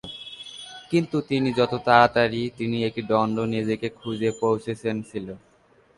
কিন্তু তিনি যত তাড়াতাড়ি তিনি একটি দ্বন্দ্ব নিজেকে খুঁজে পৌঁছেছেন ছিল।